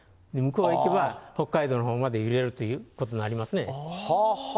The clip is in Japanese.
向こう行けば、北海道のほうまで揺れるということになりますね。